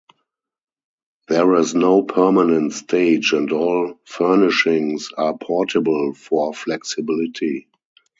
There is no permanent stage and all furnishings are portable for flexibility.